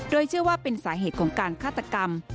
โดยเชื่อว่าเป็นสาเหตุของการฆาตกรรม